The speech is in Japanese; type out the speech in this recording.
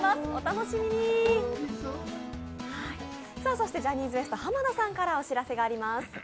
そしてジャニーズＷＥＳＴ濱田さんからお知らせがあります。